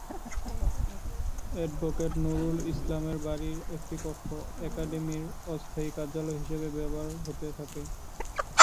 Advocate Nurul ইসলামের বাড়ির একটি কক্ষ একাডেমির অস্থায়ী কার্যালয় হিসেবে ব্যবহৃত হতে থাকে।